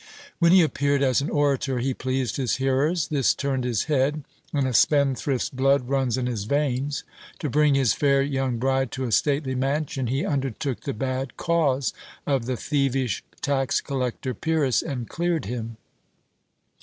When he appeared as an orator he pleased his hearers. This turned his head, and a spendthrift's blood runs in his veins. To bring his fair young bride to a stately mansion, he undertook the bad cause of the thievish tax collector Pyrrhus, and cleared him."